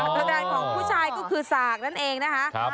กระดานของผู้ชายก็คือสากนั่นเองนะคะ